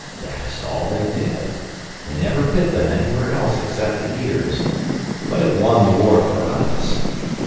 That is all they did. They never bit them anywhere else except the ears. But it won the war for us.